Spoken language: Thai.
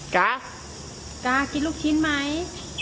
ก๊าก๊ากินลูกชิ้นไหม